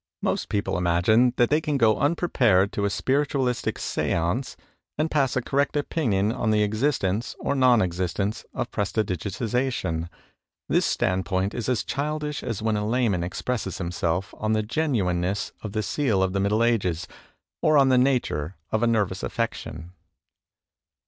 Most people imagine that they can go unprepared to a spiritualistic siancCf and pass a correct opinion on the existence or non existence of prestidigitation. This standpoint is as childish as when a layman expresses himself on the genuineness of the seal of the middle ages or on the nature of a nervous affection."